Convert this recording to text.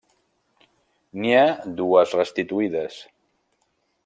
N'hi ha dues restituïdes.